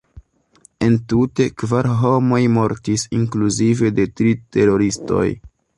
Entute, kvar homoj mortis, inkluzive de tri teroristoj.